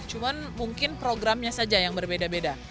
cuma mungkin programnya saja yang berbeda beda